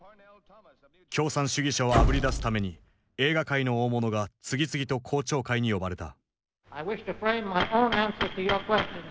共産主義者をあぶり出すために映画界の大物が次々と公聴会に呼ばれた。